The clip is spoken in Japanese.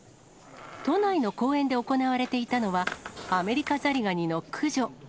都内の公園で行われていたのは、アメリカザリガニの駆除。